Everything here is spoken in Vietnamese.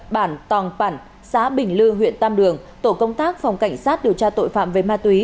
bản tòng phẳng xã bình lư huyện tam đường tổ công tác phòng cảnh sát điều tra tội phạm về ma túy